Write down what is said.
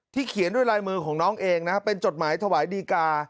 เขียนด้วยลายมือของน้องเองนะเป็นจดหมายถวายดีกา